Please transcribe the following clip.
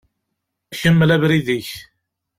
Kemmel abrid-ik.